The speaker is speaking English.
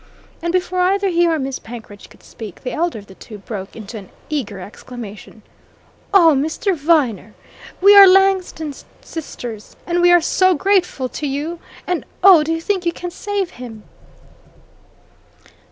And before either he or Miss Penkridge could speak, the elder of the two broke into an eager exclamation. "Oh, Mr. Viner, we are Langton's sisters! And we are so grateful to you and oh, do you think you can save him?"